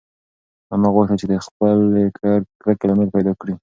انا غوښتل چې د خپلې کرکې لامل پیدا کړي.